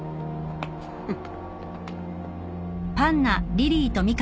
フッ。